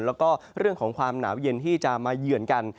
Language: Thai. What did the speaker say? แล้วก็เรื่องของความหนาวเย็นที่จะมาเยือนกัน